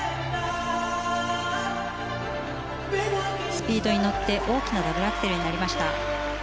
スピードに乗って大きなダブルアクセルになりました。